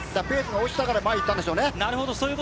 ペースが落ちたから前にいったんでしょうね。